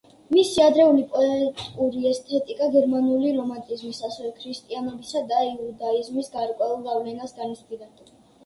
მისი ადრეული პოეტური ესთეტიკა გერმანული რომანტიზმის, ასევე ქრისტიანობისა და იუდაიზმის გარკვეულ გავლენას განიცდიდა.